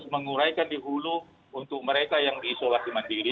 menguraikan di hulu untuk mereka yang di isolasi mandiri